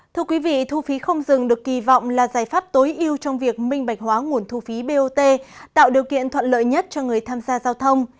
thưa quý vị thu phí không dừng được kỳ vọng là giải pháp tối ưu trong việc minh bạch hóa nguồn thu phí bot tạo điều kiện thuận lợi nhất cho người tham gia giao thông